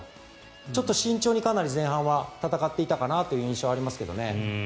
ちょっと慎重に、かなり前半は戦っていたかなという印象がありますけどね。